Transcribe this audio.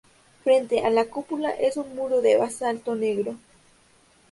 Frente a la cúpula es un muro de basalto negro.